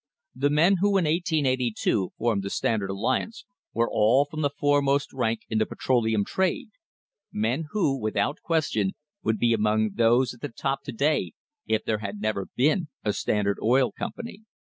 The men who in 1882 formed the Standard alliance were all from the foremost rank in the petroleum trade, men who without question would be among those at the top to day if there had never been a Standard Oil Company.